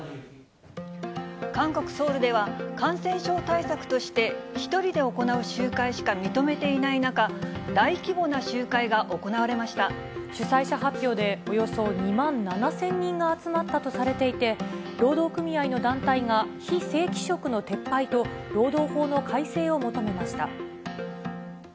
韓国・ソウルでは、感染症対策として、１人で行う集会しか認めていない中、主催者発表でおよそ２万７０００人が集まったとされていて、労働組合の団体が非正規職の撤廃と労働法の改正を求めました。